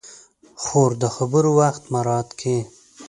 خور د خبرو وخت مراعت کوي.